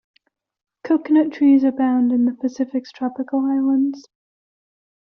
Coconut trees abound in the Pacific's tropical islands.